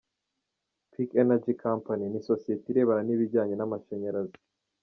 –« Peak Energy Company », ni isosiyete irebana n’ibijyanye n’amashanyarazi ;